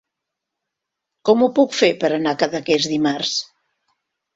Com ho puc fer per anar a Cadaqués dimarts?